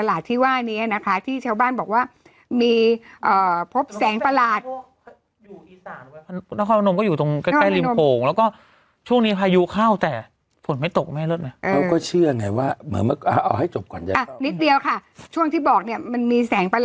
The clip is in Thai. ถ้าสมมุติฉันคิดไม่หนูว่า๘ไม่ออกแม่